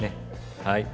はい。